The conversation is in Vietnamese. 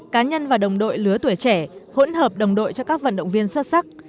cá nhân và đồng đội lứa tuổi trẻ hỗn hợp đồng đội cho các vận động viên xuất sắc